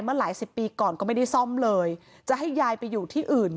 หลายสิบปีก่อนก็ไม่ได้ซ่อมเลยจะให้ยายไปอยู่ที่อื่น